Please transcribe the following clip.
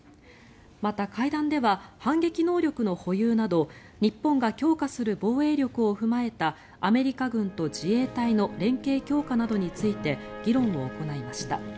また、会談では反撃能力の保有など日本が強化する防衛力を踏まえたアメリカ軍と自衛隊の連携強化などについて議論を行いました。